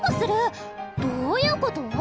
どういうこと？